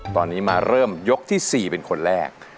ตอนนี้มาเริ่มยกที่๔เป็นคนแรก